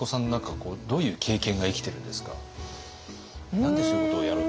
何でそういうことをやろうと？